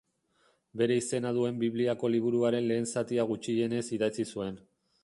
Bere izena duen Bibliako liburuaren lehen zatia gutxienez idatzi zuen.